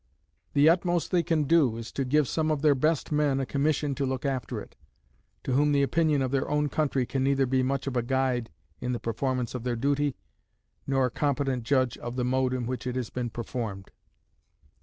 The utmost they can do is to give some of their best men a commission to look after it, to whom the opinion of their own country can neither be much of a guide in the performance of their duty, nor a competent judge of the mode in which it has been performed.